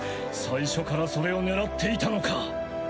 最初からそれを狙っていたのか。